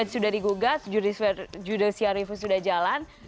sudah digugat judicial review sudah jalan